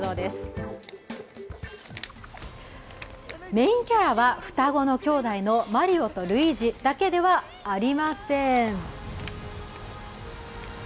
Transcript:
メインキャラは双子の兄弟のマリオとルイージだけではありません。